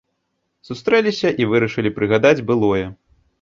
Сустрэліся, і вырашылі прыгадаць былое.